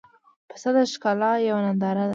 پسه د ښکلا یوه ننداره ده.